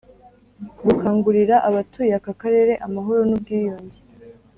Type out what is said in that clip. gukangurira abatuye aka karere amahoro n’ubwiyunge,